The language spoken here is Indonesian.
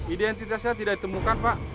identitasnya tidak ditemukan pak